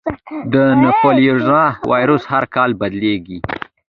د انفلوېنزا وایرس هر کال بدلېږي.